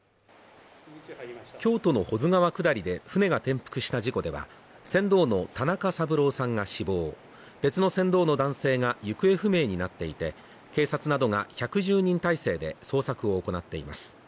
京都の保津川下りで、舟が転覆した事故では、船頭の田中三郎さんが死亡、別の船頭の男性が行方不明になっていて、警察などが１１０人態勢で捜索を行っています。